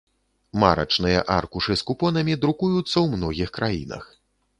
Марачныя аркушы з купонамі друкуюцца ў многіх краінах.